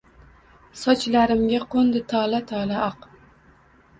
Sochlarimga qo’ndi tola-tola oq.